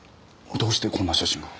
どうしてこんな写真が。